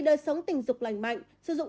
đời sống tình dục lành mạnh sử dụng